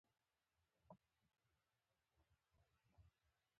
په لوړو غرونو کې د هوا فشار کم وي.